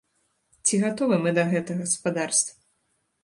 Ці гатовы мы да гэтага, спадарства?